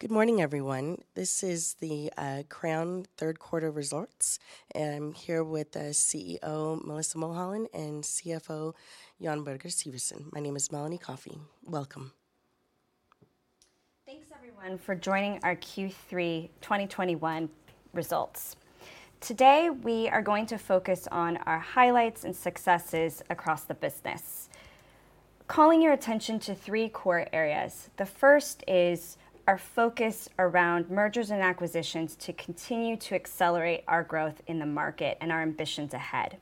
Good morning, everyone. This is the Crayon Q3 results. I'm here with CEO Melissa Mulholland and CFO Jon Birger Syvertsen. My name is Melanie Coffee. Welcome. Thanks, everyone, for joining our Q3 2021 results. Today, we are going to focus on our highlights and successes across the business, calling your attention to three core areas. The first is our focus around mergers and acquisitions to continue to accelerate our growth in the market and our ambitions ahead.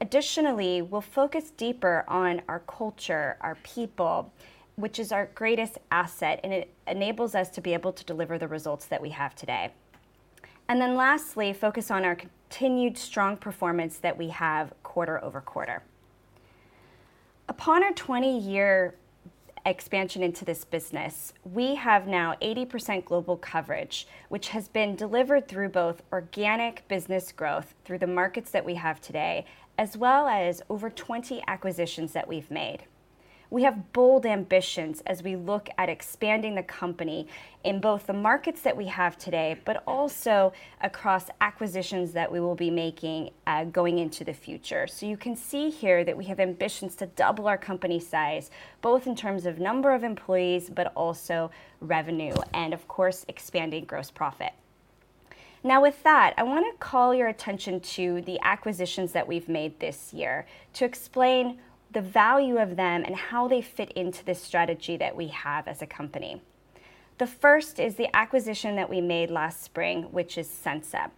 We'll focus deeper on our culture, our people, which is our greatest asset, and it enables us to be able to deliver the results that we have today. Lastly, focus on our continued strong performance that we have quarter-over-quarter. Upon our 20-year expansion into this business, we have now 80% global coverage, which has been delivered through both organic business growth through the markets that we have today, as well as over 20 acquisitions that we've made. We have bold ambitions as we look at expanding the company in both the markets that we have today, but also across acquisitions that we will be making going into the future. You can see here that we have ambitions to double our company size, both in terms of number of employees, but also revenue and of course, expanding gross profit. With that, I want to call your attention to the acquisitions that we've made this year to explain the value of them and how they fit into the strategy that we have as a company. The first is the acquisition that we made last spring, which is Sensa.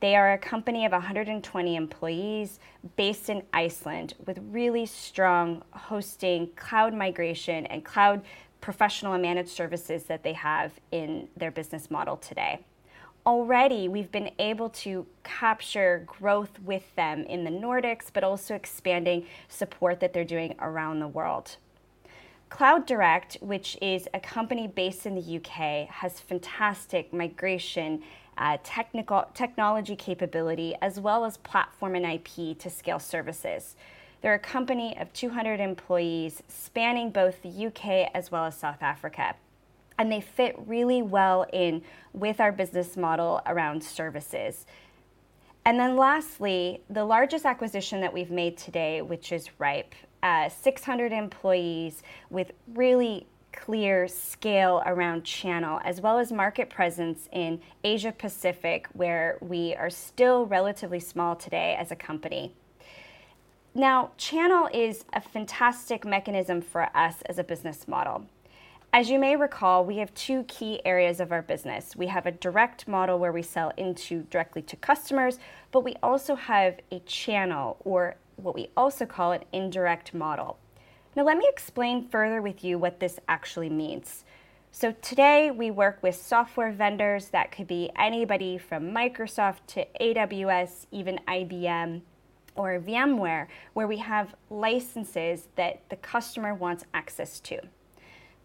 They are a company of 120 employees based in Iceland with really strong hosting, cloud migration, and cloud professional and managed services that they have in their business model today. We've been able to capture growth with them in the Nordics, but also expanding support that they're doing around the world. Cloud Direct, which is a company based in the U.K., has fantastic migration, technology capability, as well as platform and IP to scale services. They're a company of 200 employees spanning both the U.K. as well as South Africa, they fit really well in with our business model around services. Lastly, the largest acquisition that we've made today, which is rhipe. 600 employees with really clear scale around channel as well as market presence in Asia Pacific, where we are still relatively small today as a company. Channel is a fantastic mechanism for us as a business model. As you may recall, we have two key areas of our business. We have a direct model where we sell directly to customers, but we also have a channel or what we also call an indirect model. Let me explain further with you what this actually means. Today, we work with software vendors that could be anybody from Microsoft to AWS, even IBM or VMware, where we have licenses that the customer wants access to.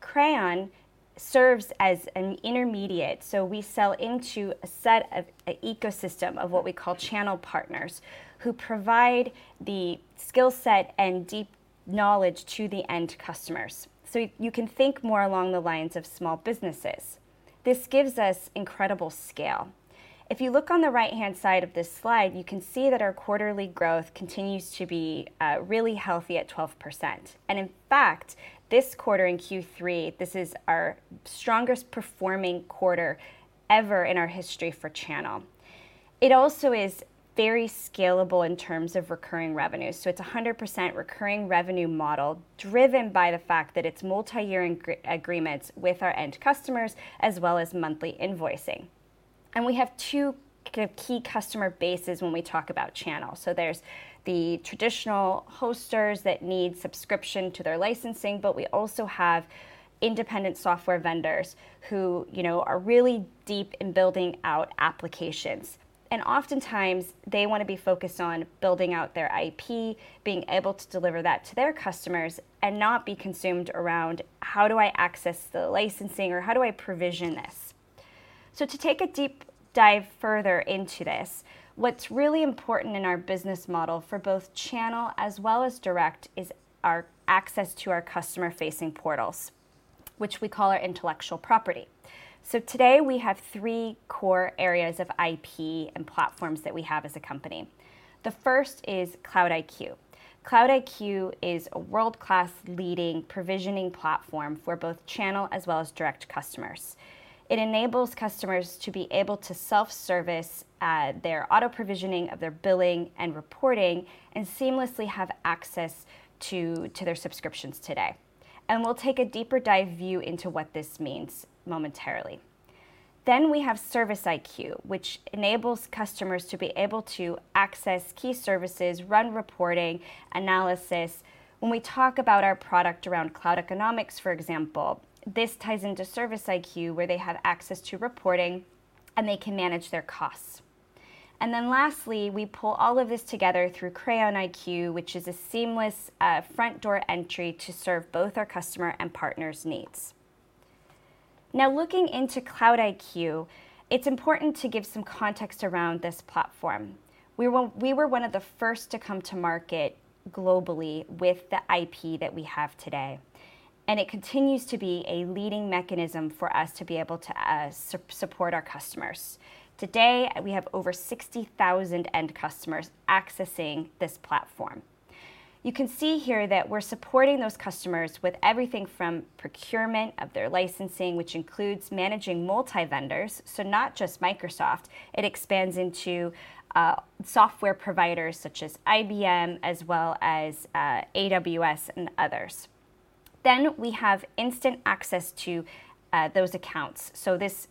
Crayon serves as an intermediate. We sell into a set of ecosystem of what we call channel partners who provide the skill set and deep knowledge to the end customers. You can think more along the lines of small businesses. This gives us incredible scale. If you look on the right-hand side of this slide, you can see that our quarterly growth continues to be really healthy at 12%. In fact, this quarter in Q3, this is our strongest performing quarter ever in our history for channel. It also is very scalable in terms of recurring revenue. It's 100% recurring revenue model driven by the fact that it's multi-year agreements with our end customers, as well as monthly invoicing. We have two key customer bases when we talk about channel. There's the traditional hosters that need subscription to their licensing, but we also have independent software vendors who are really deep in building out applications. Oftentimes they want to be focused on building out their IP, being able to deliver that to their customers and not be consumed around how do I access the licensing or how do I provision this? To take a deep dive further into this, what's really important in our business model for both channel as well as direct is our access to our customer-facing portals, which we call our intellectual property. Today we have three core areas of IP and platforms that we have as a company. The first is Cloud-iQ. Cloud-iQ is a world-class leading provisioning platform for both channel as well as direct customers. It enables customers to be able to self-service their auto-provisioning of their billing and reporting and seamlessly have access to their subscriptions today. We'll take a deeper dive view into what this means momentarily. We have Service-iQ, which enables customers to be able to access key services, run reporting, analysis. When we talk about our product around cloud economics, for example, this ties into Service-iQ where they have access to reporting, and they can manage their costs. Lastly, we pull all of this together through Crayon-iQ, which is a seamless front door entry to serve both our customer and partners' needs. Looking into Cloud-iQ, it's important to give some context around this platform. We were one of the first to come to market globally with the IP that we have today, and it continues to be a leading mechanism for us to be able to support our customers. Today, we have over 60,000 end customers accessing this platform. You can see here that we're supporting those customers with everything from procurement of their licensing, which includes managing multi-vendors, so not just Microsoft. It expands into software providers such as IBM, as well as AWS and others. We have instant access to those accounts. This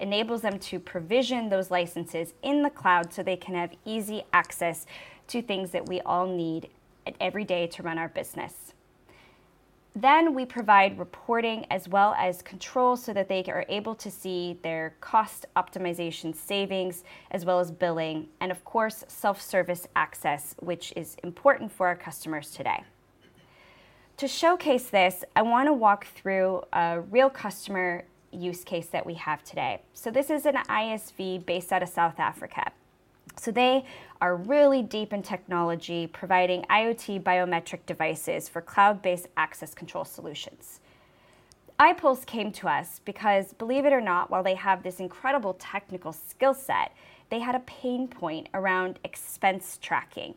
enables them to provision those licenses in the cloud so they can have easy access to things that we all need every day to run our business. We provide reporting as well as control so that they are able to see their cost optimization savings as well as billing, and of course, self-service access, which is important for our customers today. To showcase this, I want to walk through a real customer use case that we have today. This is an ISV based out of South Africa. They are really deep in technology, providing IoT biometric devices for cloud-based access control solutions. iPulse came to us because, believe it or not, while they have this incredible technical skill set, they had a pain point around expense tracking.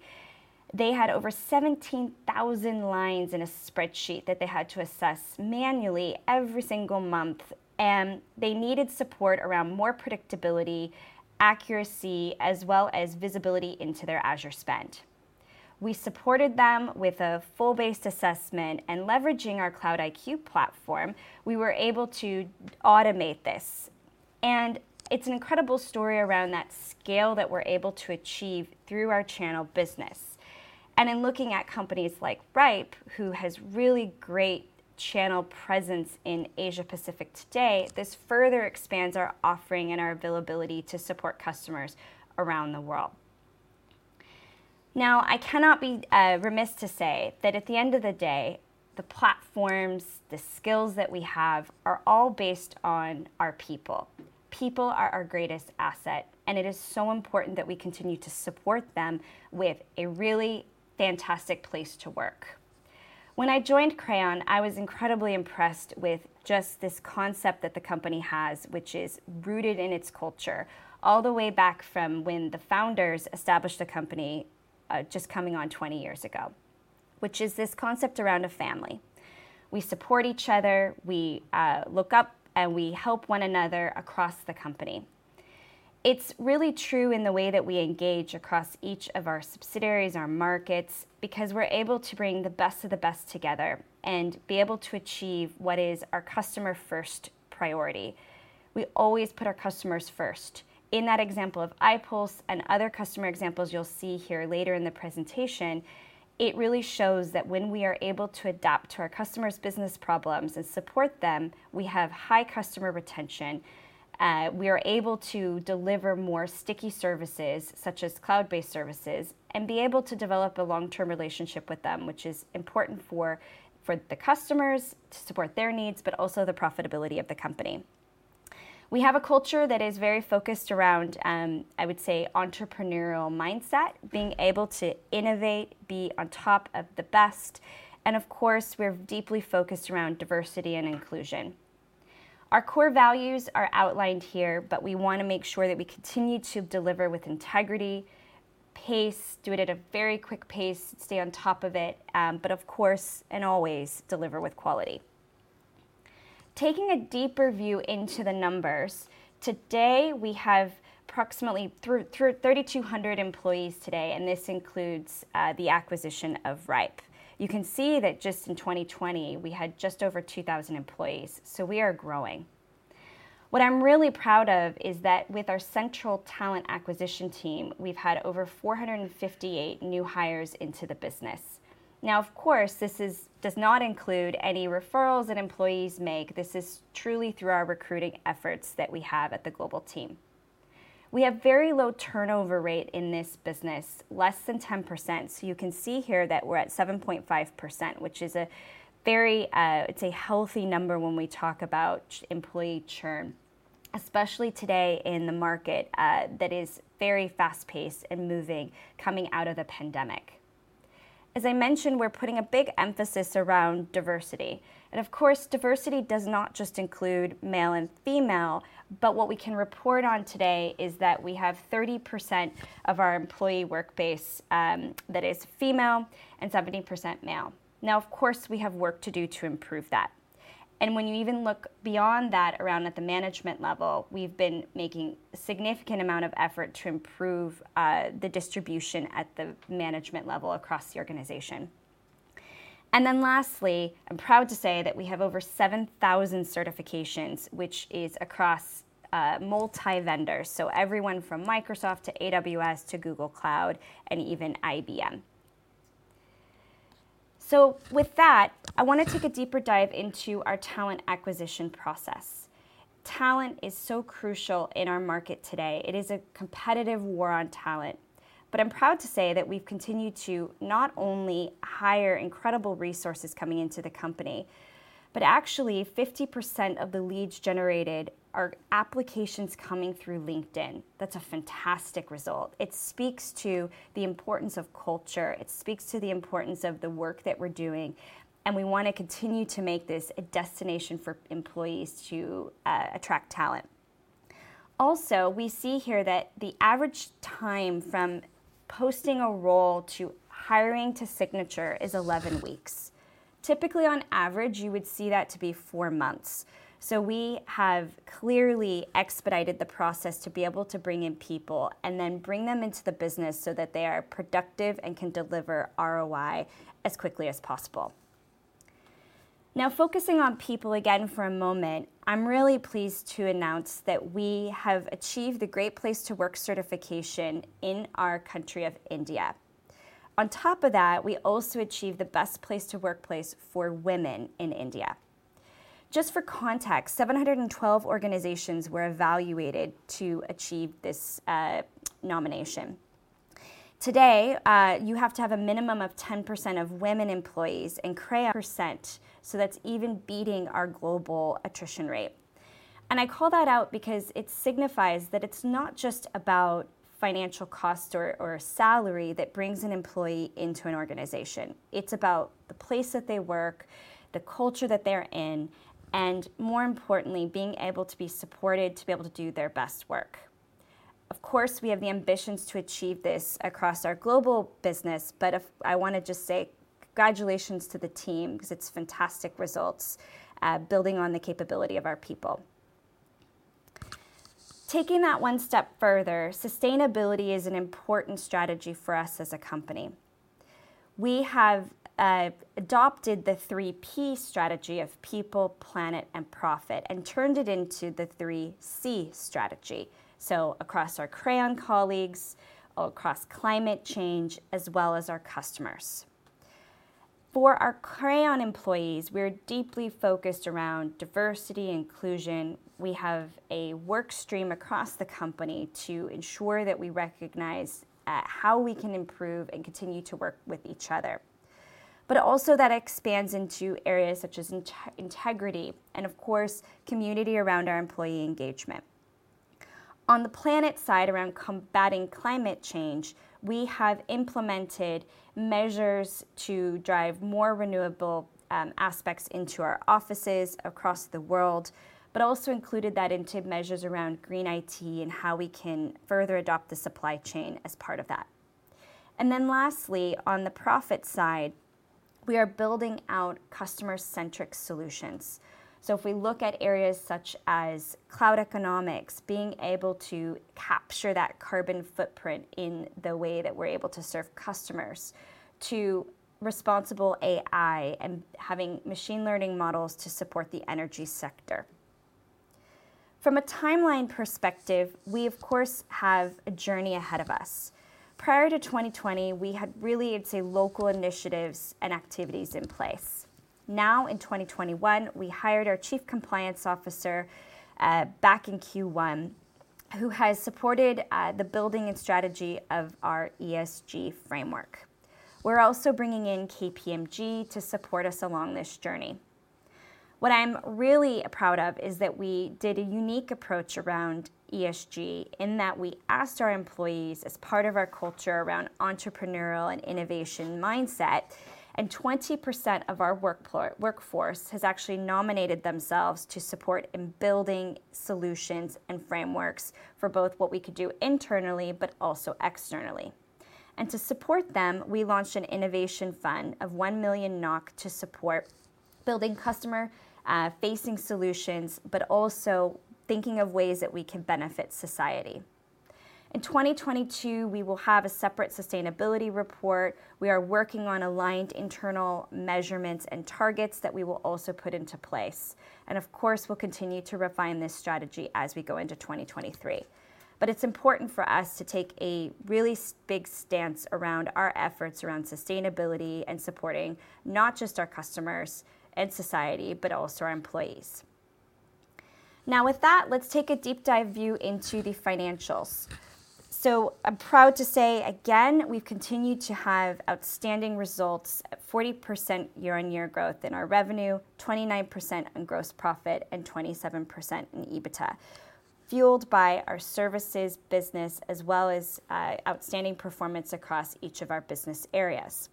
They had over 17,000 lines in a spreadsheet that they had to assess manually every single month, and they needed support around more predictability, accuracy, as well as visibility into their Azure spend. We supported them with a full-based assessment and leveraging our Cloud-iQ platform, we were able to automate this. It's an incredible story around that scale that we're able to achieve through our channel business. In looking at companies like rhipe, who has really great channel presence in Asia-Pacific today, this further expands our offering and our availability to support customers around the world. I cannot be remiss to say that at the end of the day, the platforms, the skills that we have are all based on our people. People are our greatest asset, and it is so important that we continue to support them with a really fantastic place to work. When I joined Crayon, I was incredibly impressed with just this concept that the company has, which is rooted in its culture all the way back from when the founders established the company just coming on 20 years ago, which is this concept around a family. We support each other, we look up, and we help one another across the company. It's really true in the way that we engage across each of our subsidiaries, our markets, because we're able to bring the best of the best together and be able to achieve what is our customer-first priority. We always put our customers first. In that example of I-Pulse and other customer examples you'll see here later in the presentation, it really shows that when we are able to adapt to our customers' business problems and support them, we have high customer retention. We are able to deliver more sticky services such as cloud-based services and be able to develop a long-term relationship with them, which is important for the customers to support their needs, but also the profitability of the company. We have a culture that is very focused around, I would say, entrepreneurial mindset, being able to innovate, be on top of the best, and of course, we're deeply focused around diversity and inclusion. Our core values are outlined here, but we want to make sure that we continue to deliver with integrity, pace, do it at a very quick pace, stay on top of it, but of course, and always deliver with quality. Taking a deeper view into the numbers, today, we have approximately 3,200 employees today, and this includes the acquisition of rhipe. You can see that just in 2020, we had just over 2,000 employees, so we are growing. What I'm really proud of is that with our central talent acquisition team, we've had over 458 new hires into the business. Now, of course, this does not include any referrals that employees make. This is truly through our recruiting efforts that we have at the global team. We have very low turnover rate in this business, less than 10%. You can see here that we're at 7.5%, which is a very healthy number when we talk about employee churn, especially today in the market that is very fast-paced and moving, coming out of the pandemic. As I mentioned, we're putting a big emphasis around diversity. Of course, diversity does not just include male and female, but what we can report on today is that we have 30% of our employee work base that is female and 70% male. Of course, we have work to do to improve that. When you even look beyond that around at the management level, we've been making significant amount of effort to improve the distribution at the management level across the organization. Lastly, I am proud to say that we have over 7,000 certifications, which is across multi-vendors. Everyone from Microsoft to AWS to Google Cloud and even IBM. With that, I want to take a deeper dive into our talent acquisition process. Talent is so crucial in our market today. It is a competitive war on talent. I'm proud to say that we've continued to not only hire incredible resources coming into the company, but actually 50% of the leads generated are applications coming through LinkedIn. That's a fantastic result. It speaks to the importance of culture. It speaks to the importance of the work that we're doing, and we want to continue to make this a destination for employees to attract talent. Also, we see here that the average time from posting a role to hiring to signature is 11 weeks. Typically, on average, you would see that to be four months. We have clearly expedited the process to be able to bring in people and then bring them into the business so that they are productive and can deliver ROI as quickly as possible. Focusing on people again for a moment, I'm really pleased to announce that we have achieved the Great Place to Work certification in our country of India. On top of that, we also achieved the India's Best Workplaces for Women. Just for context, 712 organizations were evaluated to achieve this nomination. Today, you have to have a minimum of 10% of women employees, and Crayon- percent, so that's even beating our global attrition rate. I call that out because it signifies that it's not just about financial cost or salary that brings an employee into an organization. It's about the place that they work, the culture that they're in, and more importantly, being able to be supported to be able to do their best work. Of course, we have the ambitions to achieve this across our global business, but I want to just say congratulations to the team because it's fantastic results, building on the capability of our people. Taking that one step further, sustainability is an important strategy for us as a company. We have adopted the three P strategy of people, planet, and profit, and turned it into the three C strategy, so across our Crayon colleagues, across climate change, as well as our customers. For our Crayon employees, we're deeply focused around diversity, inclusion. We have a work stream across the company to ensure that we recognize how we can improve and continue to work with each other. Also that expands into areas such as integrity and, of course, community around our employee engagement. Also included that into measures around green IT and how we can further adopt the supply chain as part of that. Lastly, on the profit side, we are building out customer-centric solutions. If we look at areas such as cloud economics, being able to capture that carbon footprint in the way that we're able to serve customers, to responsible AI and having machine learning models to support the energy sector. From a timeline perspective, we of course have a journey ahead of us. Prior to 2020, we had really, I'd say, local initiatives and activities in place. In 2021, we hired our Chief Compliance Officer back in Q1, who has supported the building and strategy of our ESG framework. We're also bringing in KPMG to support us along this journey. What I'm really proud of is that we did a unique approach around ESG in that we asked our employees as part of our culture around entrepreneurial and innovation mindset, 20% of our workforce has actually nominated themselves to support in building solutions and frameworks for both what we could do internally, but also externally. To support them, we launched an innovation fund of 1 million NOK to support building customer-facing solutions, but also thinking of ways that we can benefit society. In 2022, we will have a separate sustainability report. We are working on aligned internal measurements and targets that we will also put into place. Of course, we'll continue to refine this strategy as we go into 2023. It's important for us to take a really big stance around our efforts around sustainability and supporting not just our customers and society, but also our employees. With that, let's take a deep dive view into the financials. I'm proud to say, again, we've continued to have outstanding results at 40% year-over-year growth in our revenue, 29% on gross profit, and 27% in EBITDA, fueled by our services business as well as outstanding performance across each of our business areas.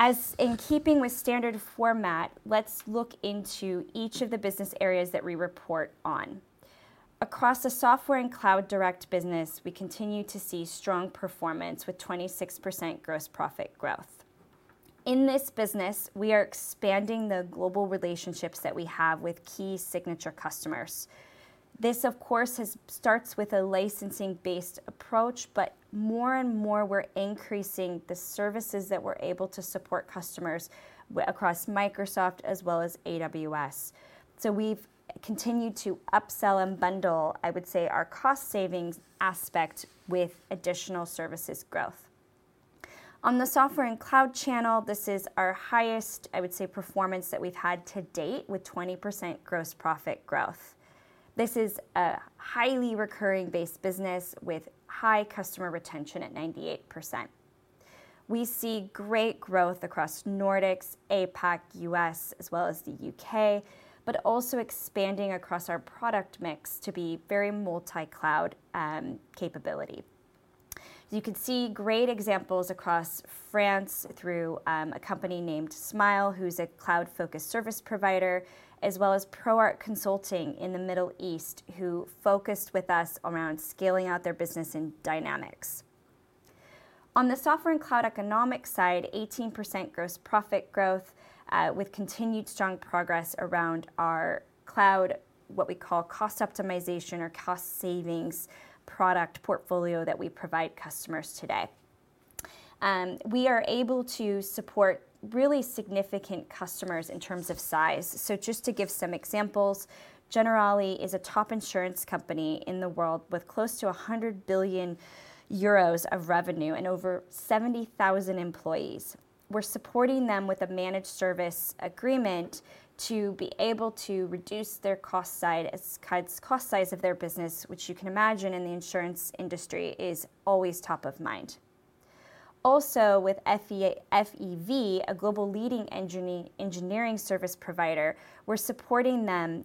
As in keeping with standard format, let's look into each of the business areas that we report on. Across the Software and Cloud Direct business, we continue to see strong performance with 26% gross profit growth. In this business, we are expanding the global relationships that we have with key signature customers. This, of course, starts with a licensing-based approach. More and more, we're increasing the services that we're able to support customers across Microsoft as well as AWS. We've continued to upsell and bundle, I would say, our cost savings aspect with additional services growth. On the Software and Cloud Channel, this is our highest, I would say, performance that we've had to date, with 20% gross profit growth. This is a highly recurring-based business with high customer retention at 98%. We see great growth across Nordics, APAC, U.S., as well as the U.K. Also expanding across our product mix to be very multi-cloud capability. You can see great examples across France through a company named Smile, who's a cloud-focused service provider, as well as ProArt Consulting in the Middle East, who focused with us around scaling out their business in Dynamics. On the Software and Cloud Economics side, 18% gross profit growth with continued strong progress around our cloud, what we call cost optimization or cost savings product portfolio that we provide customers today. We are able to support really significant customers in terms of size. Just to give some examples, Generali is a top insurance company in the world with close to 100 billion euros of revenue and over 70,000 employees. We're supporting them with a managed service agreement to be able to reduce their cost size of their business, which you can imagine in the insurance industry is always top of mind. Also, with FEV, a global leading engineering service provider, we're supporting them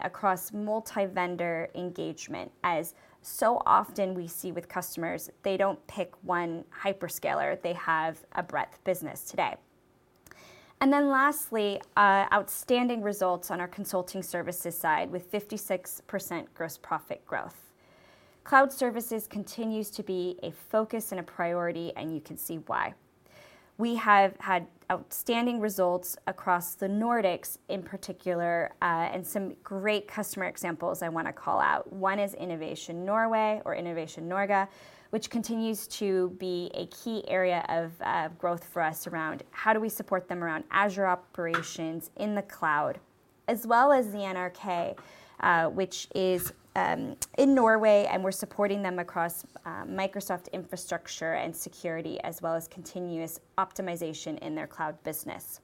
across multi-vendor engagement, as so often we see with customers, they don't pick one hyperscaler. They have a breadth business today. Lastly, outstanding results on our Consulting services side with 56% gross profit growth. Cloud services continues to be a focus and a priority, and you can see why. We have had outstanding results across the Nordics in particular, and some great customer examples I want to call out. 1 is Innovation Norway or Innovasjon Norge, which continues to be a key area of growth for us around how do we support them around Azure operations in the cloud, as well as the NRK, which is in Norway, and we're supporting them across Microsoft infrastructure and security, as well as continuous optimization in their cloud business.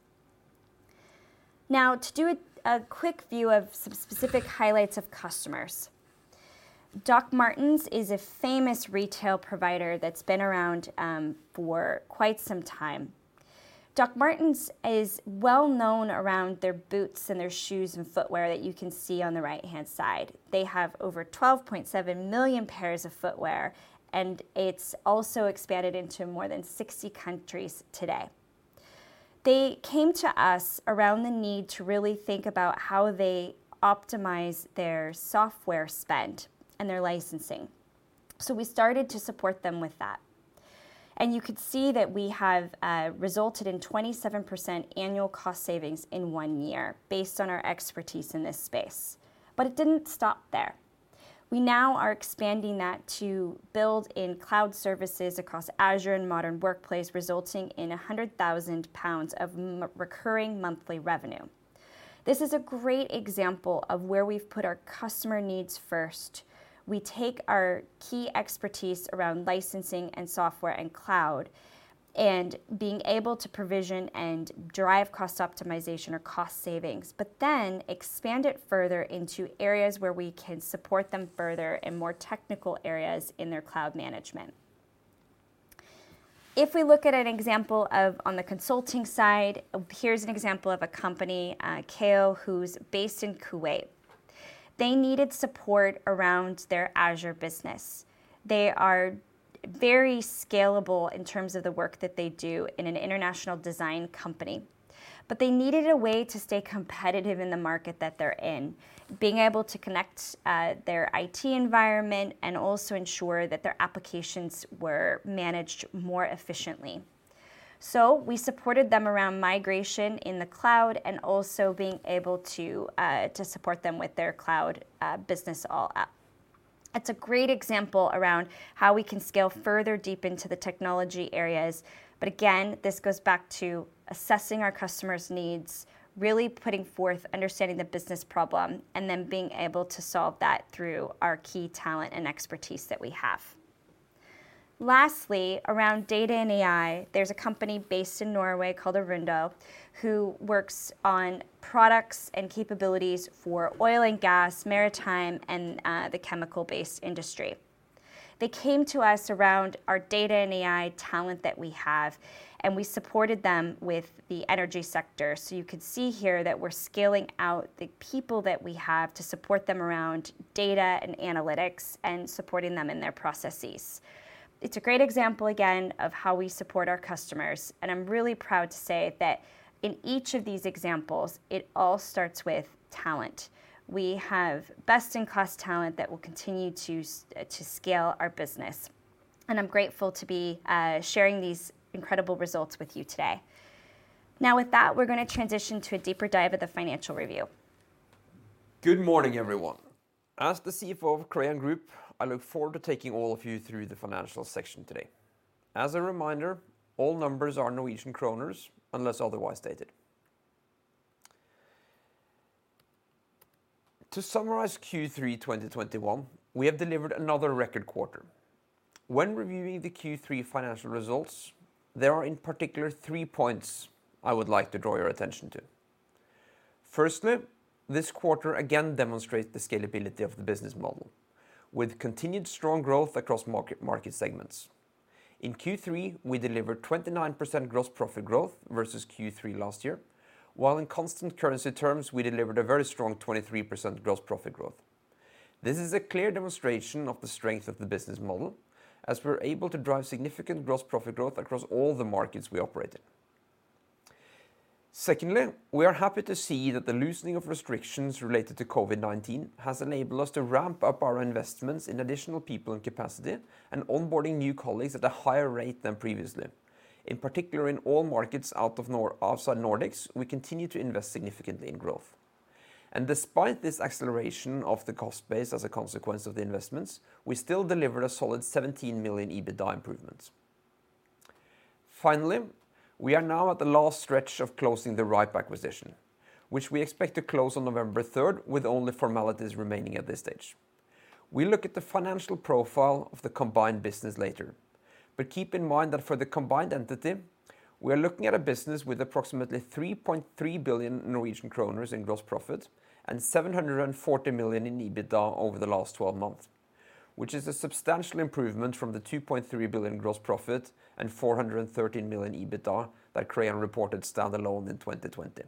To do a quick view of some specific highlights of customers. Dr. Martens is a famous retail provider that's been around for quite some time. Dr. Martens is well known around their boots and their shoes and footwear that you can see on the right-hand side. They have over 12.7 million pairs of footwear, and it's also expanded into more than 60 countries today. They came to us around the need to really think about how they optimize their software spend and their licensing. We started to support them with that. You could see that we have resulted in 27% annual cost savings in one year based on our expertise in this space. It didn't stop there. We now are expanding that to build in cloud services across Azure and modern workplace, resulting in 100,000 pounds of recurring monthly revenue. This is a great example of where we've put our customer needs first. We take our key expertise around licensing and software and cloud and being able to provision and drive cost optimization or cost savings, expand it further into areas where we can support them further in more technical areas in their cloud management. If we look at an example on the consulting side, here is an example of a company, KEO, who is based in Kuwait. They needed support around their Azure business. They are very scalable in terms of the work that they do in an international design company. They needed a way to stay competitive in the market that they are in, being able to connect their IT environment and also ensure that their applications were managed more efficiently. We supported them around migration in the cloud and also being able to support them with their cloud business all up. It's a great example around how we can scale further deep into the technology areas. Again, this goes back to assessing our customer's needs, really putting forth understanding the business problem, and then being able to solve that through our key talent and expertise that we have. Lastly, around data and AI, there's a company based in Norway called Arundo who works on products and capabilities for oil and gas, maritime, and the chemical-based industry. They came to us around our data and AI talent that we have, and we supported them with the energy sector. You could see here that we're scaling out the people that we have to support them around data and analytics and supporting them in their processes. It's a great example again of how we support our customers, and I'm really proud to say that in each of these examples, it all starts with talent. We have best-in-cost talent that will continue to scale our business, and I'm grateful to be sharing these incredible results with you today. Now with that, we're going to transition to a deeper dive of the financial review. Good morning, everyone. As the CFO of Crayon Group, I look forward to taking all of you through the financial section today. As a reminder, all numbers are Norwegian kroners unless otherwise stated. To summarize Q3 2021, we have delivered another record quarter. When reviewing the Q3 financial results, there are in particular three points I would like to draw your attention to. Firstly, this quarter again demonstrates the scalability of the business model with continued strong growth across market segments. In Q3, we delivered 29% gross profit growth versus Q3 last year. While in constant currency terms, we delivered a very strong 23% gross profit growth. This is a clear demonstration of the strength of the business model, as we're able to drive significant gross profit growth across all the markets we operate in. Secondly, we are happy to see that the loosening of restrictions related to COVID-19 has enabled us to ramp up our investments in additional people and capacity and onboarding new colleagues at a higher rate than previously. In particular, in all markets outside Nordics, we continue to invest significantly in growth. Despite this acceleration of the cost base as a consequence of the investments, we still delivered a solid 17 million EBITDA improvements. Finally, we are now at the last stretch of closing the rhipe acquisition, which we expect to close on November 3rd with only formalities remaining at this stage. We look at the financial profile of the combined business later. Keep in mind that for the combined entity, we are looking at a business with approximately 3.3 billion Norwegian kroner in gross profit and 740 million in EBITDA over the last 12 months, which is a substantial improvement from the 2.3 billion gross profit and 413 million EBITDA that Crayon reported standalone in 2020.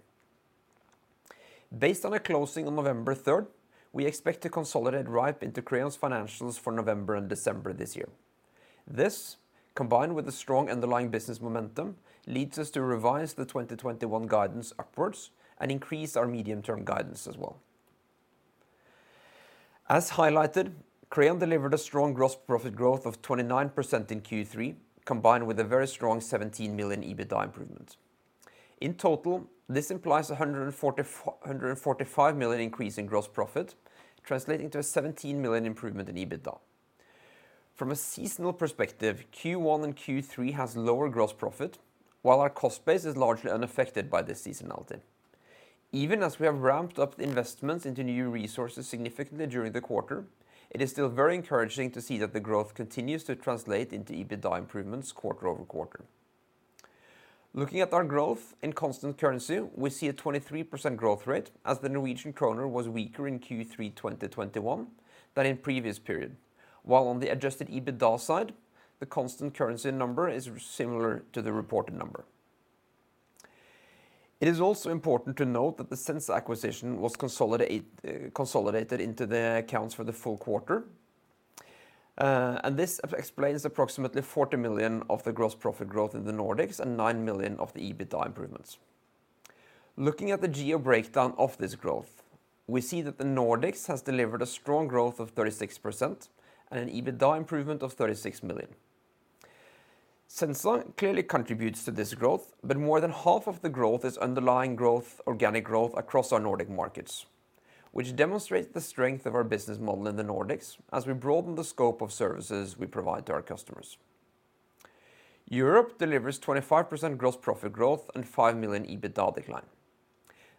Based on a closing on November 3rd, we expect to consolidate rhipe into Crayon's financials for November and December this year. This, combined with the strong underlying business momentum, leads us to revise the 2021 guidance upwards and increase our medium-term guidance as well. As highlighted, Crayon delivered a strong gross profit growth of 29% in Q3, combined with a very strong 17 million EBITDA improvement. In total, this implies 145 million increase in gross profit, translating to a 17 million improvement in EBITDA. From a seasonal perspective, Q1 and Q3 has lower gross profit, while our cost base is largely unaffected by this seasonality. Even as we have ramped up the investments into new resources significantly during the quarter, it is still very encouraging to see that the growth continues to translate into EBITDA improvements quarter-over-quarter. Looking at our growth in constant currency, we see a 23% growth rate as the Norwegian kroner was weaker in Q3 2021 than in previous period. On the adjusted EBITDA side, the constant currency number is similar to the reported number. It is also important to note that the Sensa acquisition was consolidated into the accounts for the full quarter. This explains approximately 40 million of the gross profit growth in the Nordics and 9 million of the EBITDA improvements. Looking at the geo breakdown of this growth, we see that the Nordics has delivered a strong growth of 36% and an EBITDA improvement of 36 million. Sensa clearly contributes to this growth, more than half of the growth is underlying growth, organic growth across our Nordic markets, which demonstrates the strength of our business model in the Nordics as we broaden the scope of services we provide to our customers. Europe delivers 25% gross profit growth and 5 million EBITDA decline.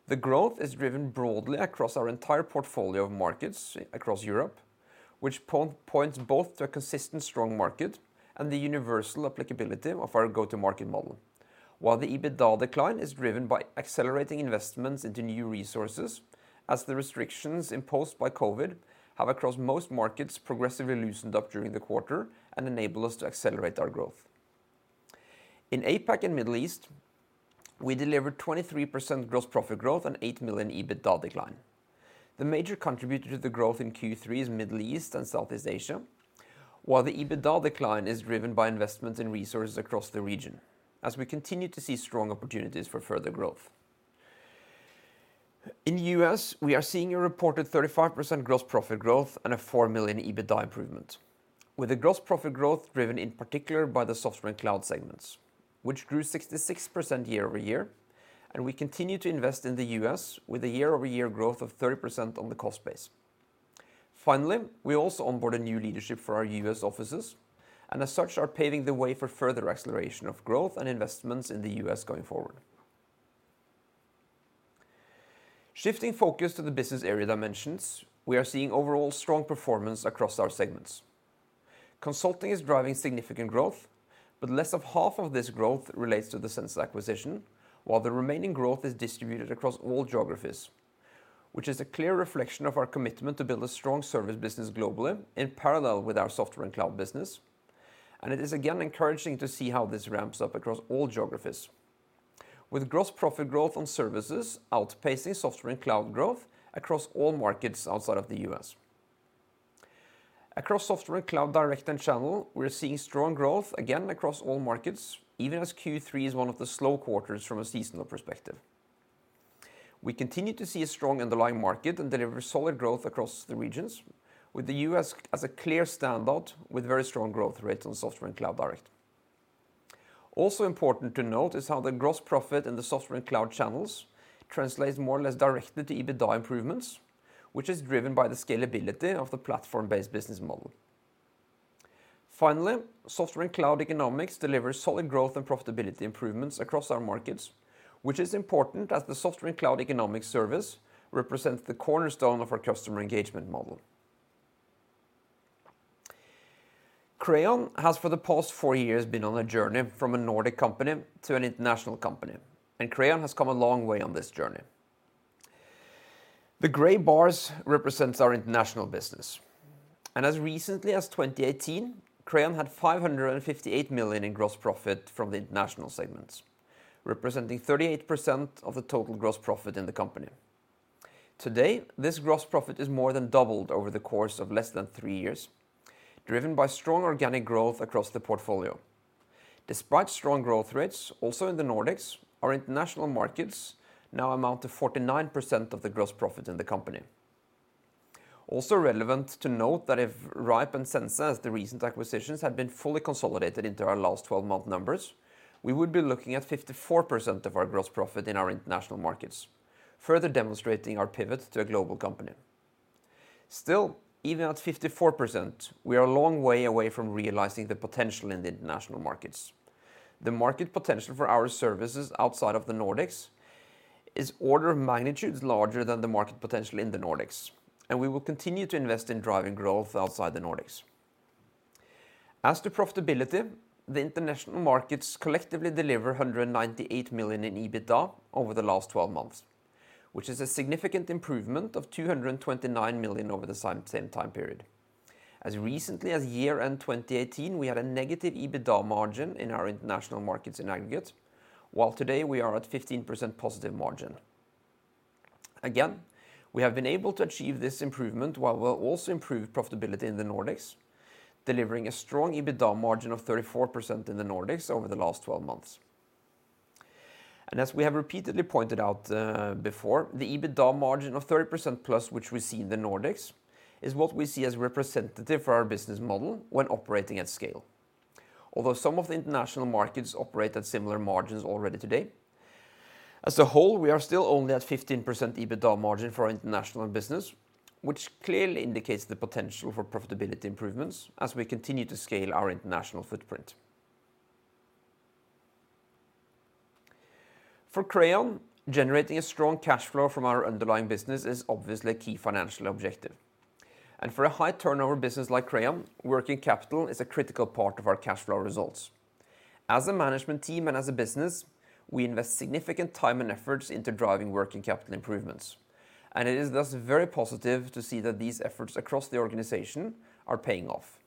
The growth is driven broadly across our entire portfolio of markets across Europe, which points both to a consistent strong market and the universal applicability of our go-to-market model. The EBITDA decline is driven by accelerating investments into new resources, as the restrictions imposed by COVID have, across most markets, progressively loosened up during the quarter and enable us to accelerate our growth. In APAC and Middle East, we delivered 23% gross profit growth and 8 million EBITDA decline. The major contributor to the growth in Q3 is Middle East and Southeast Asia, while the EBITDA decline is driven by investment in resources across the region, as we continue to see strong opportunities for further growth. In the U.S., we are seeing a reported 35% gross profit growth and a 4 million EBITDA improvement. With the gross profit growth driven in particular by the Software and Cloud segments, which grew 66% year-over-year, and we continue to invest in the U.S. with a year-over-year growth of 30% on the cost base. Finally, we also onboard a new leadership for our U.S. offices, and as such are paving the way for further acceleration of growth and investments in the U.S. going forward. Shifting focus to the business area dimensions, we are seeing overall strong performance across our segments. Consulting is driving significant growth, but less of half of this growth relates to the Sensa acquisition, while the remaining growth is distributed across all geographies, which is a clear reflection of our commitment to build a strong service business globally in parallel with our Software and Cloud business. It is again encouraging to see how this ramps up across all geographies. With gross profit growth on services outpacing Software and Cloud growth across all markets outside of the U.S. Across Software and Cloud Direct and Channel, we're seeing strong growth again across all markets, even as Q3 is one of the slow quarters from a seasonal perspective. We continue to see a strong underlying market and deliver solid growth across the regions, with the U.S. as a clear standout with very strong growth rates on Software and Cloud Direct. Also important to note is how the gross profit in the Software and Cloud Channel translates more or less directly to EBITDA improvements, which is driven by the scalability of the platform-based business model. Finally, Software and Cloud Economics delivers solid growth and profitability improvements across our markets, which is important as the Software and Cloud Economics service represents the cornerstone of our customer engagement model. Crayon has, for the past four years, been on a journey from a Nordic company to an international company, and Crayon has come a long way on this journey. The gray bars represents our international business, and as recently as 2018, Crayon had 558 million in gross profit from the international segments, representing 38% of the total gross profit in the company. Today, this gross profit is more than doubled over the course of less than three years, driven by strong organic growth across the portfolio. Despite strong growth rates also in the Nordics, our international markets now amount to 49% of the gross profit in the company. Also relevant to note that if rhipe and Sensa, as the recent acquisitions, had been fully consolidated into our last 12-month numbers, we would be looking at 54% of our gross profit in our international markets, further demonstrating our pivot to a global company. Still, even at 54%, we are a long way away from realizing the potential in the international markets. The market potential for our services outside of the Nordics is order of magnitudes larger than the market potential in the Nordics. We will continue to invest in driving growth outside the Nordics. As to profitability, the international markets collectively deliver 198 million in EBITDA over the last 12 months, which is a significant improvement of 229 million over the same time period. As recently as year-end 2018, we had a negative EBITDA margin in our international markets in aggregate, while today we are at 15% positive margin. Again, we have been able to achieve this improvement while we'll also improve profitability in the Nordics, delivering a strong EBITDA margin of 34% in the Nordics over the last 12 months. As we have repeatedly pointed out before, the EBITDA margin of 30%+ which we see in the Nordics is what we see as representative for our business model when operating at scale. Although some of the international markets operate at similar margins already today, as a whole, we are still only at 15% EBITDA margin for our international business, which clearly indicates the potential for profitability improvements as we continue to scale our international footprint. For Crayon, generating a strong cash flow from our underlying business is obviously a key financial objective. For a high-turnover business like Crayon, working capital is a critical part of our cash flow results. As a management team and as a business, we invest significant time and efforts into driving working capital improvements, and it is thus very positive to see that these efforts across the organization are paying off.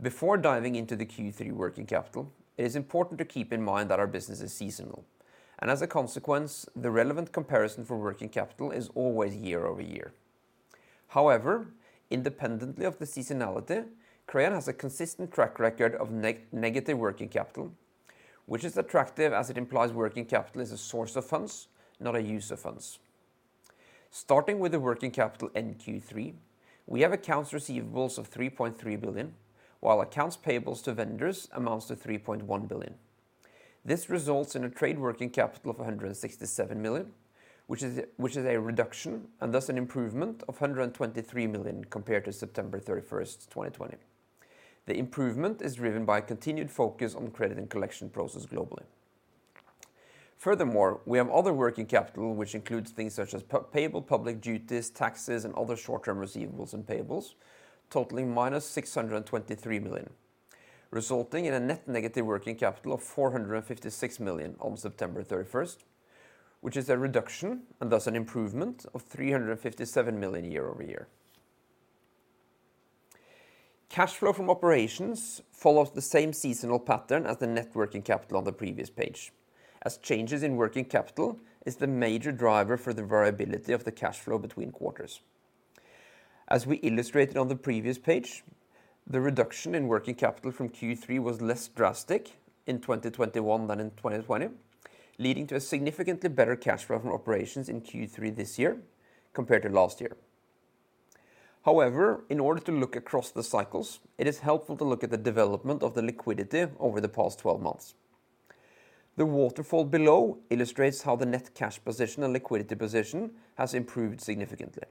Before diving into the Q3 working capital, it is important to keep in mind that our business is seasonal, and as a consequence, the relevant comparison for working capital is always year-over-year. However, independently of the seasonality, Crayon has a consistent track record of negative working capital, which is attractive as it implies working capital is a source of funds, not a use of funds. Starting with the working capital in Q3, we have accounts receivables of 3.3 billion, while accounts payables to vendors amounts to 3.1 billion. This results in a trade working capital of 167 million, which is a reduction, and thus an improvement of 123 million compared to September 31st, 2020. The improvement is driven by continued focus on credit and collection process globally. Furthermore, we have other working capital, which includes things such as payable public duties, taxes, and other short-term receivables and payables totaling minus 623 million, resulting in a net negative working capital of 456 million on September 31st, which is a reduction, and thus an improvement of 357 million year-over-year. Cash flow from operations follows the same seasonal pattern as the net working capital on the previous page, as changes in working capital is the major driver for the variability of the cash flow between quarters. We illustrated on the previous page, the reduction in working capital from Q3 was less drastic in 2021 than in 2020, leading to a significantly better cash flow from operations in Q3 this year compared to last year. However, in order to look across the cycles, it is helpful to look at the development of the liquidity over the past 12 months. The waterfall below illustrates how the net cash position and liquidity position has improved significantly.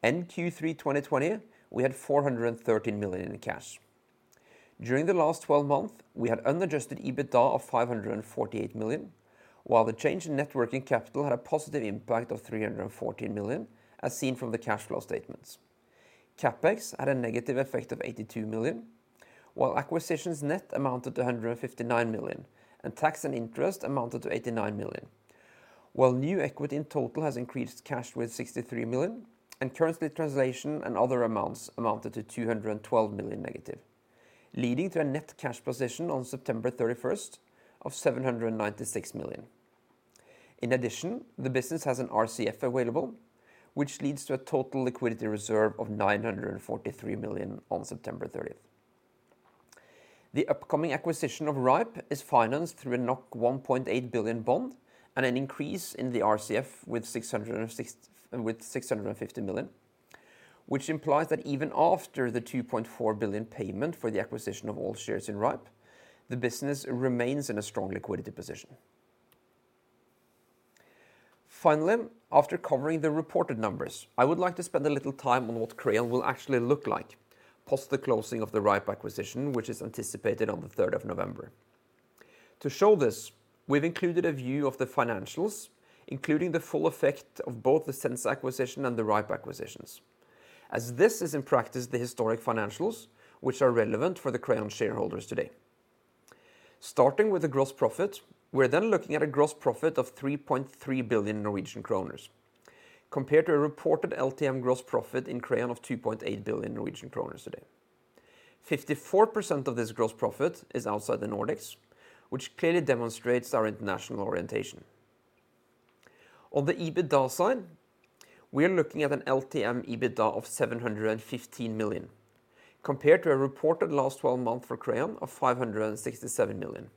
In Q3 2020, we had 413 million in cash. During the last 12 months, we had unadjusted EBITDA of 548 million, while the change in net working capital had a positive impact of 314 million, as seen from the cash flow statements. CapEx had a negative effect of 82 million, while acquisitions net amounted to 159 million, and tax and interest amounted to 89 million. While new equity in total has increased cash with 63 million, and currency translation and other amounts amounted to 212 million negative, leading to a net cash position on September 31st of 796 million. In addition, the business has an RCF available, which leads to a total liquidity reserve of 943 million on September 30. The upcoming acquisition of rhipe is financed through a 1.8 billion bond and an increase in the RCF with 650 million, which implies that even after the 2.4 billion payment for the acquisition of all shares in rhipe, the business remains in a strong liquidity position. Finally, after covering the reported numbers, I would like to spend a little time on what Crayon will actually look like post the closing of the rhipe acquisition, which is anticipated on the 3 of November. To show this, we've included a view of the financials, including the full effect of both the Sensa acquisition and the rhipe acquisitions. This is in practice the historic financials, which are relevant for the Crayon shareholders today. Starting with the gross profit, we're looking at a gross profit of 3.3 billion Norwegian kroner compared to a reported LTM gross profit in Crayon of 2.8 billion Norwegian kroner today. 54% of this gross profit is outside the Nordics, which clearly demonstrates our international orientation. On the EBITDA side, we are looking at an LTM EBITDA of 715 million compared to a reported last 12 months for Crayon of 567 million.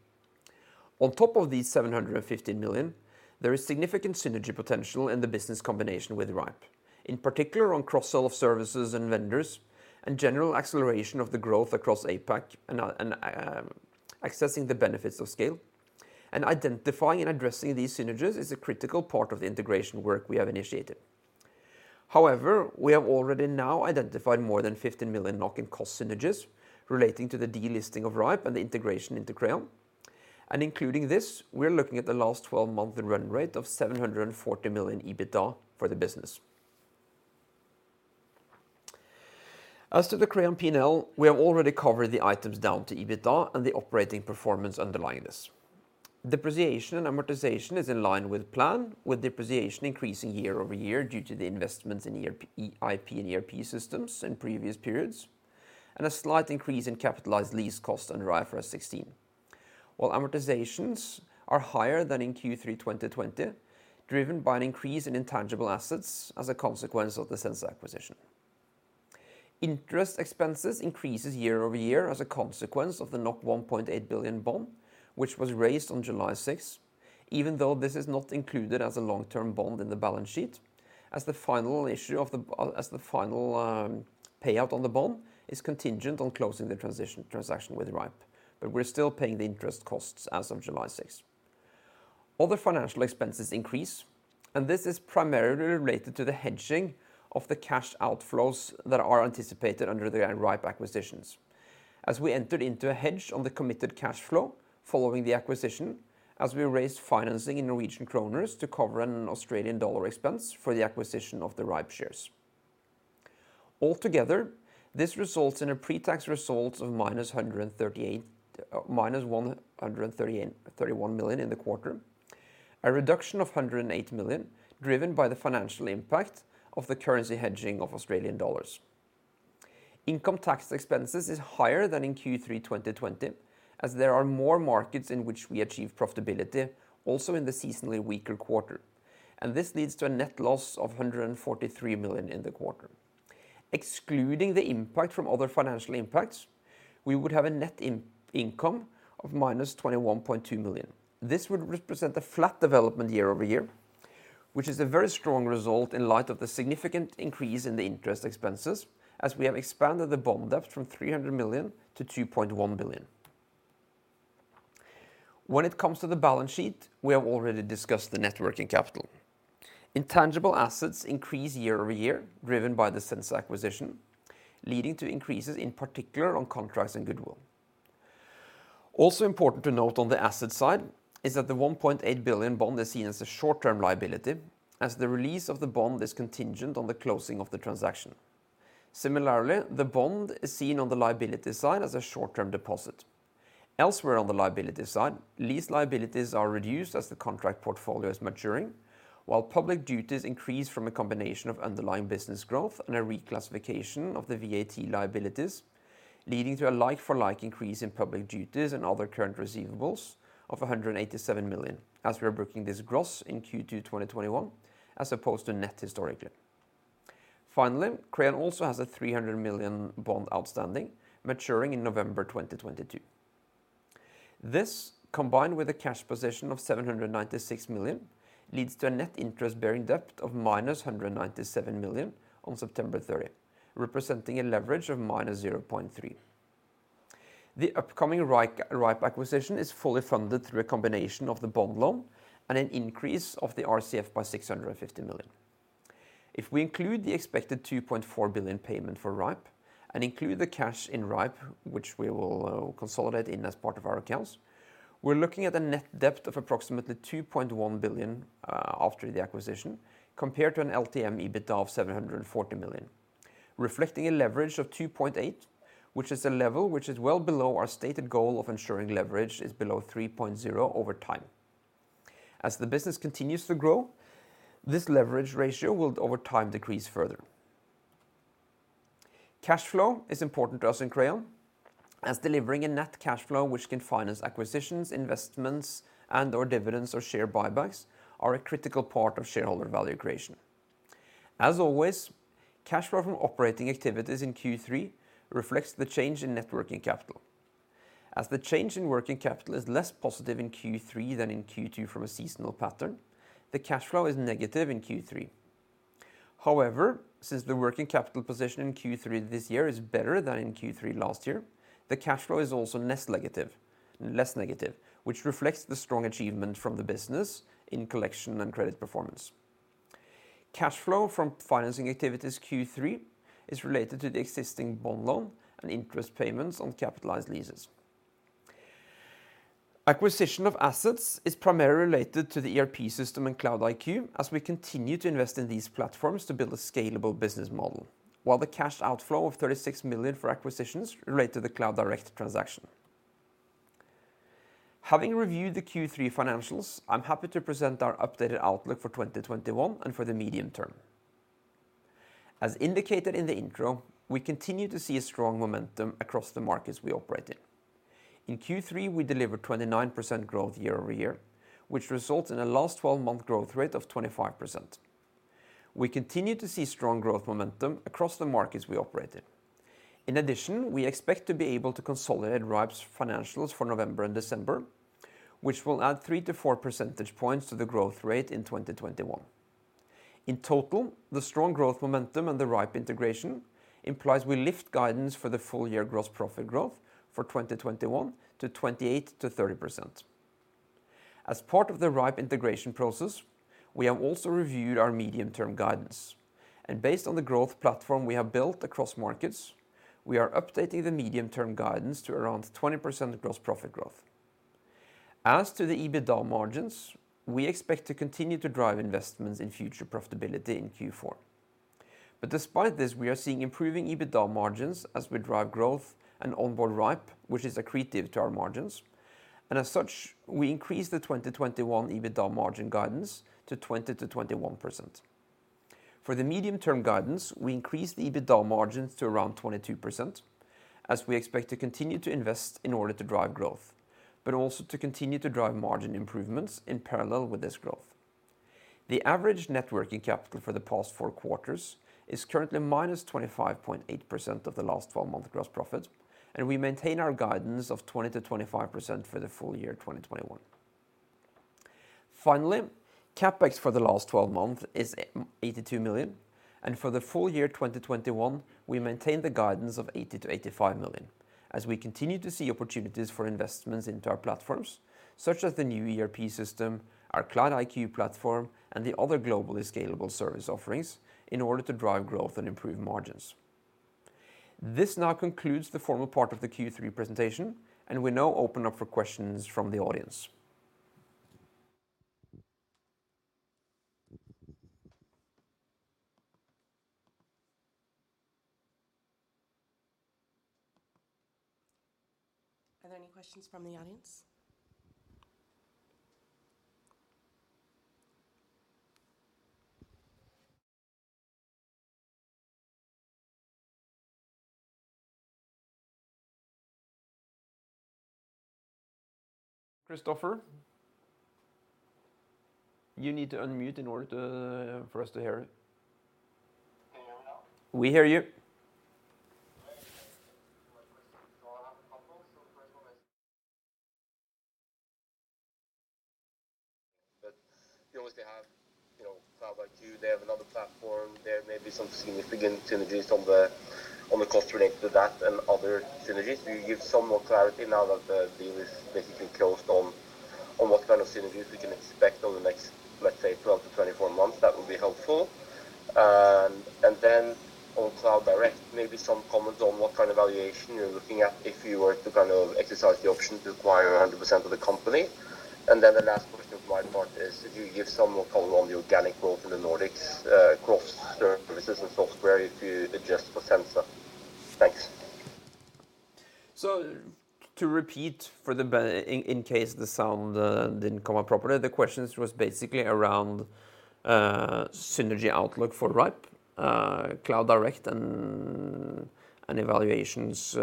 On top of these 715 million, there is significant synergy potential in the business combination with rhipe, in particular on cross-sell of services and vendors and general acceleration of the growth across APAC and accessing the benefits of scale and identifying and addressing these synergies is a critical part of the integration work we have initiated. However, we have already now identified more than 15 million in cost synergies relating to the delisting of rhipe and the integration into Crayon. Including this, we are looking at the last 12-month run rate of 740 million EBITDA for the business. As to the Crayon P&L, we have already covered the items down to EBITDA and the operating performance underlying this. Depreciation and amortization is in line with plan, with depreciation increasing year-over-year due to the investments in IP and ERP systems in previous periods, and a slight increase in capitalized lease costs under IFRS 16. Amortizations are higher than in Q3 2020, driven by an increase in intangible assets as a consequence of the Sensa acquisition. Interest expenses increases year over year as a consequence of the 1.8 billion bond, which was raised on July 6, even though this is not included as a long-term bond in the balance sheet, as the final payout on the bond is contingent on closing the transition transaction with rhipe. We're still paying the interest costs as of July 6. Other financial expenses increase. This is primarily related to the hedging of the cash outflows that are anticipated under the rhipe acquisitions. We entered into a hedge on the committed cash flow following the acquisition, as we raised financing in Norwegian kroner to cover an Australian dollar expense for the acquisition of the rhipe shares. Altogether, this results in a pre-tax result of -131 million in the quarter, a reduction of 108 million, driven by the financial impact of the currency hedging of Australian dollars. Income tax expenses is higher than in Q3 2020, as there are more markets in which we achieve profitability also in the seasonally weaker quarter. This leads to a net loss of 143 million in the quarter. Excluding the impact from other financial impacts, we would have a net income of -21.2 million. This would represent a flat development year-over-year, which is a very strong result in light of the significant increase in the interest expenses as we have expanded the bond debt from 300 million to 2.1 billion. When it comes to the balance sheet, we have already discussed the net working capital. Intangible assets increase year-over-year, driven by the Sensa acquisition, leading to increases in particular on contracts and goodwill. Also important to note on the asset side is that the 1.8 billion bond is seen as a short-term liability, as the release of the bond is contingent on the closing of the transaction. Similarly, the bond is seen on the liability side as a short-term deposit. Elsewhere on the liability side, lease liabilities are reduced as the contract portfolio is maturing, while public duties increase from a combination of underlying business growth and a reclassification of the VAT liabilities, leading to a like-for-like increase in public duties and other current receivables of 187 million as we are booking this gross in Q2 2021, as opposed to net historically. Finally, Crayon also has a 300 million bond outstanding, maturing in November 2022. This, combined with a cash position of 796 million, leads to a net interest-bearing debt of -197 million on September 30, representing a leverage of -0.3. The upcoming rhipe acquisition is fully funded through a combination of the bond loan and an increase of the RCF by 650 million. If we include the expected 2.4 billion payment for rhipe and include the cash in rhipe, which we will consolidate in as part of our accounts, we're looking at a net debt of approximately 2.1 billion after the acquisition, compared to an LTM EBITDA of 740 million, reflecting a leverage of 2.8, which is a level which is well below our stated goal of ensuring leverage is below 3.0 over time. As the business continues to grow, this leverage ratio will over time decrease further. Cash flow is important to us in Crayon, as delivering a net cash flow which can finance acquisitions, investments, and/or dividends or share buybacks are a critical part of shareholder value creation. As always, cash flow from operating activities in Q3 reflects the change in net working capital. As the change in working capital is less positive in Q3 than in Q2 from a seasonal pattern, the cash flow is negative in Q3. However, since the working capital position in Q3 this year is better than in Q3 last year, the cash flow is also less negative, which reflects the strong achievement from the business in collection and credit performance. Cash flow from financing activities Q3 is related to the existing bond loan and interest payments on capitalized leases. Acquisition of assets is primarily related to the ERP system and Cloud-iQ, as we continue to invest in these platforms to build a scalable business model, while the cash outflow of 36 million for acquisitions relate to the Cloud Direct transaction. Having reviewed the Q3 financials, I'm happy to present our updated outlook for 2021 and for the medium term. As indicated in the intro, we continue to see a strong momentum across the markets we operate in. In Q3, we delivered 29% growth year-over-year, which results in a last 12 month growth rate of 25%. We continue to see strong growth momentum across the markets we operate in. In addition, we expect to be able to consolidate rhipe's financials for November and December, which will add three to four percentage points to the growth rate in 2021. In total, the strong growth momentum and the rhipe integration implies we lift guidance for the full year gross profit growth for 2021 to 28%-30%. As part of the rhipe integration process, we have also reviewed our medium-term guidance. Based on the growth platform we have built across markets, we are updating the medium-term guidance to around 20% gross profit growth. As to the EBITDA margins, we expect to continue to drive investments in future profitability in Q4. Despite this, we are seeing improving EBITDA margins as we drive growth and onboard rhipe, which is accretive to our margins. As such, we increase the 2021 EBITDA margin guidance to 20%-21%. For the medium-term guidance, we increase the EBITDA margins to around 22%, as we expect to continue to invest in order to drive growth, but also to continue to drive margin improvements in parallel with this growth. The average net working capital for the past 4 quarters is currently -25.8% of the last 12-month gross profit, and we maintain our guidance of 20%-25% for the full year 2021. Finally, CapEx for the last 12 months is 82 million, and for the full year 2021, we maintain the guidance of 80 million-85 million, as we continue to see opportunities for investments into our platforms, such as the new ERP system, our Cloud-iQ platform, and the other globally scalable service offerings in order to drive growth and improve margins. This now concludes the formal part of the Q3 presentation, and we now open up for questions from the audience. Are there any questions from the audience? Christopher? You need to unmute in order for us to hear it. Can you hear me now? We hear you. Thank you for my question. I have a couple. The first one is that obviously they have Cloud-iQ, they have another platform, there may be some significant synergies on the cost related to that and other synergies. Can you give some more clarity now that the deal is basically closed on what kind of synergies we can expect over the next, let's say, 12 to 24 months? That would be helpful. On Cloud Direct, maybe some comments on what kind of valuation you're looking at if you were to exercise the option to acquire 100% of the company. The last question from my part is if you give some more color on the organic growth in the Nordics across services and software if you adjust for Sensa. Thanks. To repeat in case the sound didn't come out properly, the questions was basically around synergy outlook for rhipe, Cloud Direct, and evaluations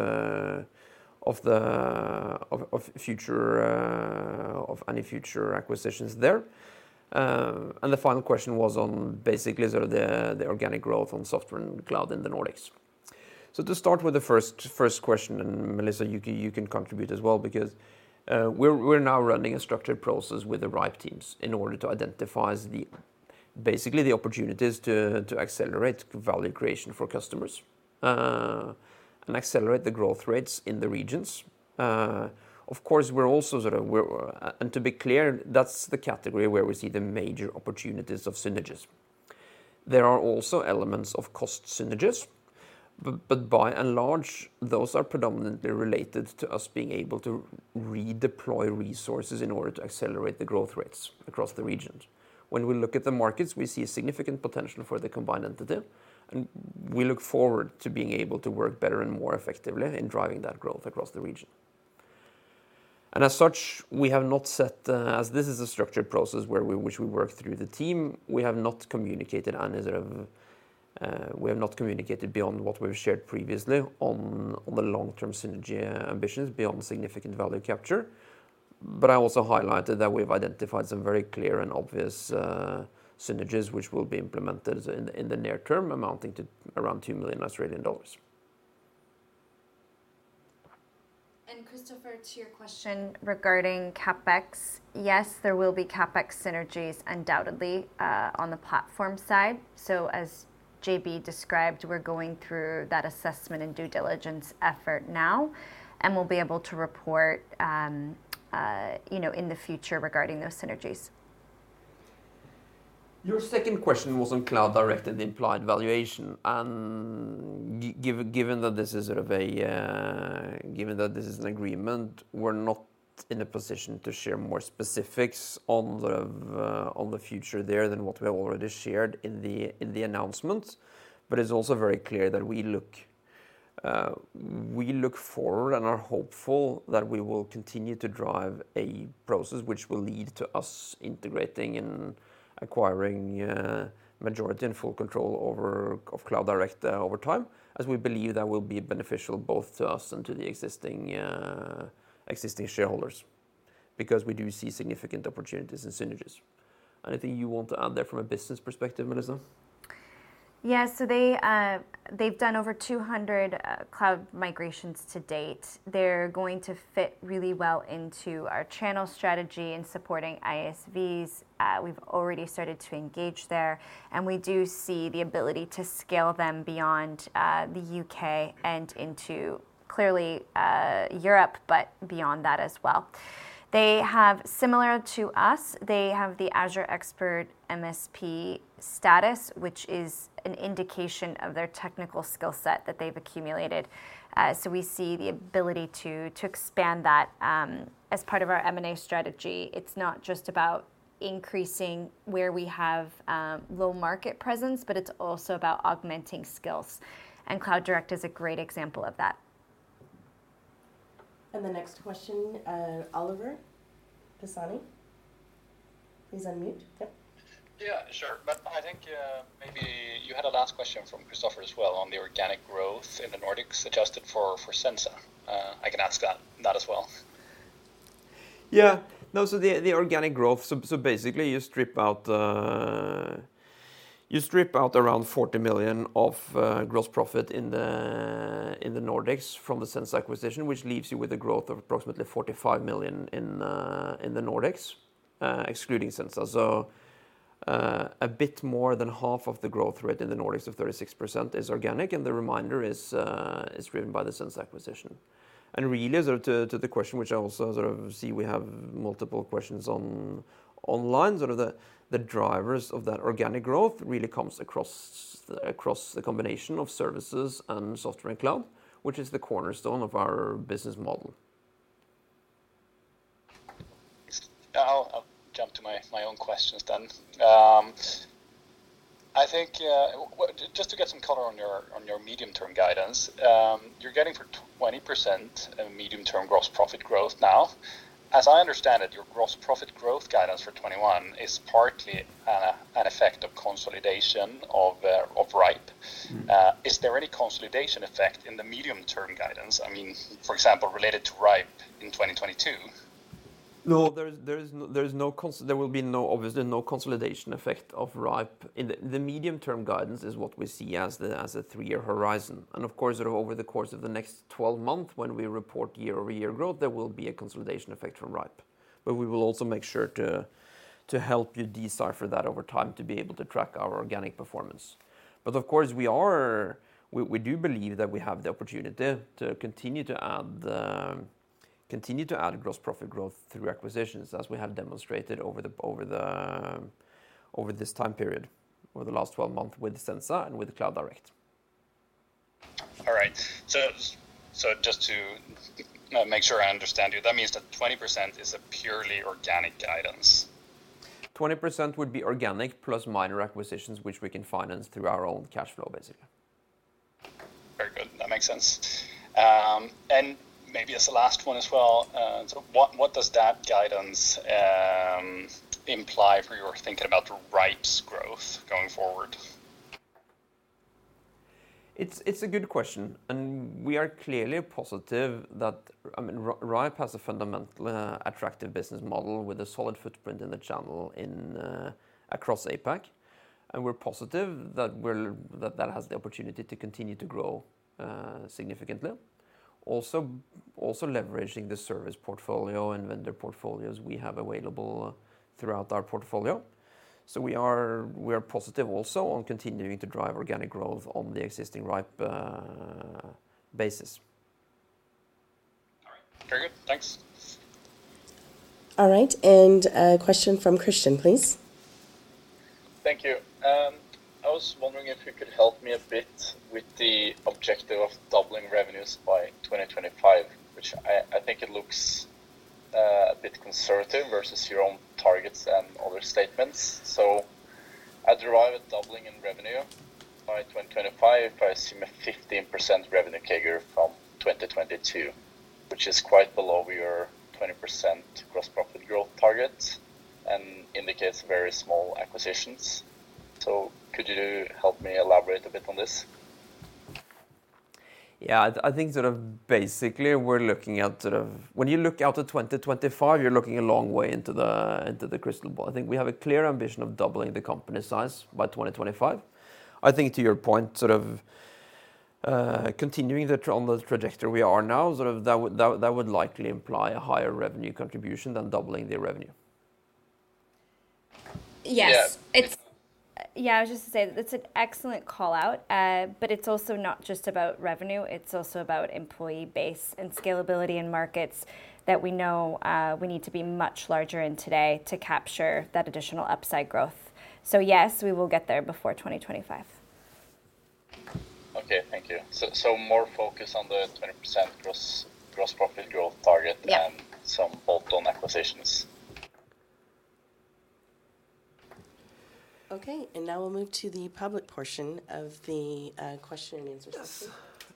of any future acquisitions there. The final question was on basically sort of the organic growth on software and cloud in the Nordics. To start with the first question, Melissa, you can contribute as well because we're now running a structured process with the rhipe teams in order to identify basically the opportunities to accelerate value creation for customers, and accelerate the growth rates in the regions. To be clear, that's the category where we see the major opportunities of synergies. There are also elements of cost synergies, but by and large, those are predominantly related to us being able to redeploy resources in order to accelerate the growth rates across the regions. When we look at the markets, we see a significant potential for the combined entity, and we look forward to being able to work better and more effectively in driving that growth across the region. As such, as this is a structured process which we work through the team, we have not communicated beyond what we've shared previously on the long-term synergy ambitions beyond significant value capture. I also highlighted that we've identified some very clear and obvious synergies which will be implemented in the near term, amounting to around 2 million Australian dollars. Christopher, to your question regarding CapEx. Yes, there will be CapEx synergies undoubtedly on the platform side. As JB described, we're going through that assessment and due diligence effort now, and we'll be able to report in the future regarding those synergies. Your second question was on Cloud Direct and the implied valuation. Given that this is an agreement, we're not in a position to share more specifics on the future there than what we have already shared in the announcement. It's also very clear that we look forward and are hopeful that we will continue to drive a process which will lead to us integrating and acquiring a majority and full control over Cloud Direct over time, as we believe that will be beneficial both to us and to the existing shareholders, because we do see significant opportunities and synergies. Anything you want to add there from a business perspective, Melissa? Yeah. They've done over 200 cloud migrations to date. They're going to fit really well into our channel strategy in supporting ISVs. We've already started to engage there, and we do see the ability to scale them beyond the U.K. and into clearly Europe, but beyond that as well. Similar to us, they have the Azure Expert MSP status, which is an indication of their technical skill set that they've accumulated. We see the ability to expand that as part of our M&A strategy. It's not just about increasing where we have low market presence, but it's also about augmenting skills, and Cloud Direct is a great example of that. The next question, Oliver Pisani. Please unmute. Yep. Yeah, sure. I think maybe you had a last question from Christopher as well on the organic growth in the Nordics adjusted for Sensa. I can ask that as well. Yeah. No, the organic growth, basically, you strip out around 40 million of gross profit in the Nordics from the Sensa acquisition, which leaves you with a growth of approximately 45 million in the Nordics, excluding Sensa. A bit more than half of the growth rate in the Nordics of 36% is organic, and the remainder is driven by the Sensa acquisition. Really, to the question, which I also see we have multiple questions online, the drivers of that organic growth really comes across the combination of services and Software and Cloud, which is the cornerstone of our business model. I'll jump to my own questions then. I think, just to get some color on your medium-term guidance, you're getting for 20%, a medium-term gross profit growth now. As I understand it, your gross profit growth guidance for 2021 is partly an effect of consolidation of rhipe. Is there any consolidation effect in the medium-term guidance? I mean, for example, related to rhipe in 2022. No, there will be obviously no consolidation effect of rhipe. The medium-term guidance is what we see as a three-year horizon. Of course, over the course of the next 12 months when we report year-over-year growth, there will be a consolidation effect from rhipe. We will also make sure to help you decipher that over time to be able to track our organic performance. Of course, we do believe that we have the opportunity to continue to add gross profit growth through acquisitions as we have demonstrated over this time period, over the last 12 months with Sensa and with Cloud Direct. All right. Just to make sure I understand you, that means that 20% is a purely organic guidance? 20% would be organic plus minor acquisitions, which we can finance through our own cash flow basically. Very good. That makes sense. Maybe as the last one as well, so what does that guidance imply for your thinking about rhipe's growth going forward? It's a good question. We are clearly positive that, I mean, rhipe has a fundamentally attractive business model with a solid footprint in the channel across APAC. We're positive that that has the opportunity to continue to grow significantly. Also leveraging the service portfolio and vendor portfolios we have available throughout our portfolio. We are positive also on continuing to drive organic growth on the existing rhipe basis. All right. Very good. Thanks. All right. A question from Christian, please. Thank you. I was wondering if you could help me a bit with the objective of doubling revenues by 2025, which I think it looks a bit conservative versus your own targets and other statements. I derive a doubling in revenue by 2025 if I assume a 15% revenue CAGR from 2022, which is quite below your 20% gross profit growth target and indicates very small acquisitions. Could you help me elaborate a bit on this? Yeah, I think basically we're looking at sort of, when you look out to 2025, you're looking a long way into the crystal ball. I think we have a clear ambition of doubling the company size by 2025. I think to your point, continuing on the trajectory we are now, that would likely imply a higher revenue contribution than doubling the revenue. Yes. I was just going to say that that's an excellent call-out, but it's also not just about revenue, it's also about employee base and scalability in markets that we know we need to be much larger in today to capture that additional upside growth. Yes, we will get there before 2025. Okay. Thank you. More focus on the 20% gross profit growth target. Yeah Some bolt-on acquisitions. Okay, now we'll move to the public portion of the question-and-answer session.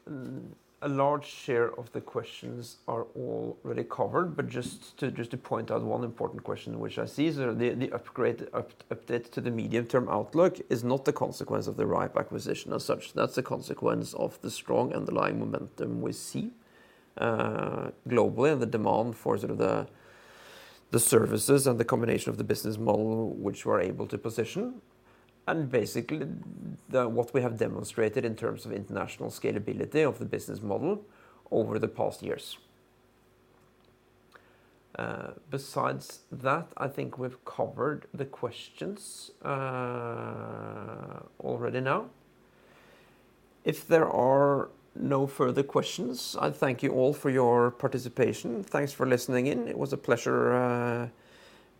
Yes. A large share of the questions are all really covered, but just to point out one important question which I see is that the upgrade, update to the medium-term outlook is not the consequence of the rhipe acquisition as such. That's a consequence of the strong underlying momentum we see globally, and the demand for the services and the combination of the business model which we're able to position, and basically what we have demonstrated in terms of international scalability of the business model over the past years. Besides that, I think we've covered the questions already now. If there are no further questions, I thank you all for your participation. Thanks for listening in. It was a pleasure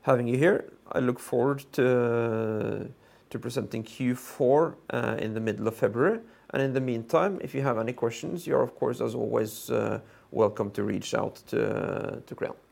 having you here. I look forward to presenting Q4 in the middle of February. In the meantime, if you have any questions, you are of course, as always, welcome to reach out to Crayon.